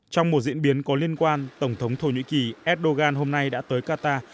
trong một diễn biến có liên quan tổng thống thổ nhĩ kỳ erdogan hôm nay đã tới qatar